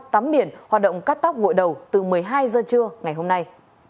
tắm miệng hoạt động cắt tóc gội đầu từ một mươi hai giờ trưa ngày hôm nay